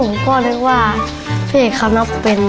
ผมก็นึกว่าพี่เอกเขานับเป็น